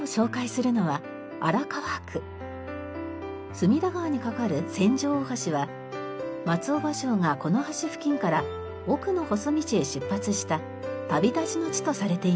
隅田川に架かる千住大橋は松尾芭蕉がこの橋付近から「奥の細道」へ出発した旅立ちの地とされています。